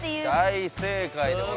大正解でございます。